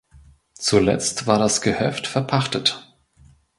Zuletzt war das Gehöft verpachtet.